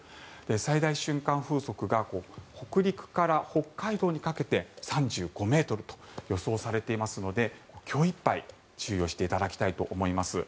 最大瞬間風速が北陸から北海道にかけて３５ｍと予想されていますので今日いっぱい注意をしていただきたいと思います。